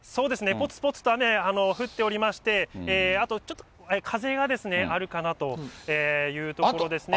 ぽつぽつと雨、降っておりまして、あとちょっと、風がですね、あるかなというところですね。